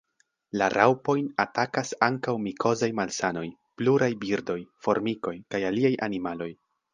La raŭpojn atakas ankaŭ mikozaj malsanoj, pluraj birdoj, formikoj kaj aliaj animaloj.